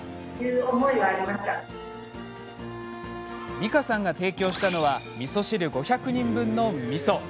美香さんが提供したのはみそ汁５００人分のみそ。